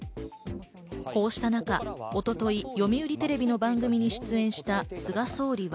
こうしたなか一昨日、読売テレビの番組に出演した菅総理は。